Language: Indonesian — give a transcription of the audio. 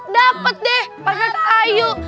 dapet deh pake kayu